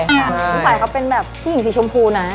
คุณฝ่ายเขาเป็นแบบผู้หญิงสีชมพูนะ